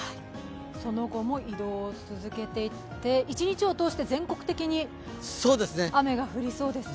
その後も移動、続けていって一日を通して全国的に雨が降りそうですか。